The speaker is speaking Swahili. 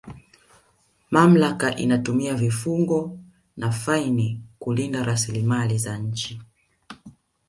mamlaka inatumia vifungo na faini kulinda rasilimali za nchi